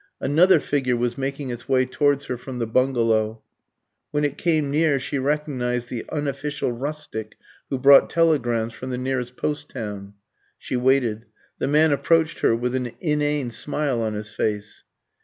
Another figure was making its way towards her from the bungalow. When it came near she recognised the unofficial rustic who brought telegrams from the nearest post town. She waited. The man approached her with an inane smile on his face.